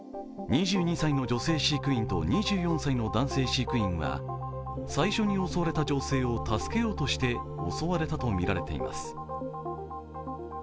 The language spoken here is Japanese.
２２歳の女性飼育員と２４歳の男性飼育員は最初に襲われた女性を助けようとして襲われたとみられています。